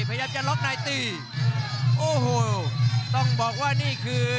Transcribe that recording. พยายามจะล็อกในตีโอ้โหต้องบอกว่านี่คือ